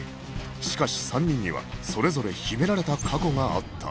しかし３人にはそれぞれ秘められた過去があった